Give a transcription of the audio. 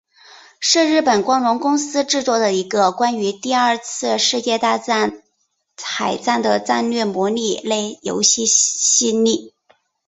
是日本光荣公司制作的一个关于第二次世界大战海战的战略模拟类游戏系列。